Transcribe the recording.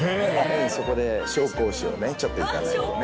そこで紹興酒をちょっと頂いてね。